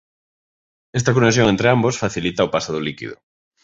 Esta conexión entre ambos facilita o paso do líquido.